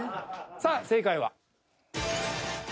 さあ正解は。